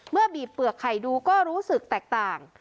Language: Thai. บีบเปลือกไข่ดูก็รู้สึกแตกต่าง